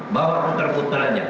bawa putar putar saja